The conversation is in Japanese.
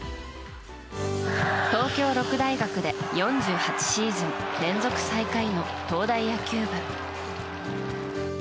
東京六大学で４８シーズン連続最下位の東大野球部。